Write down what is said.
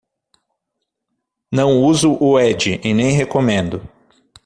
Não uso o Edge, e nem recomendo.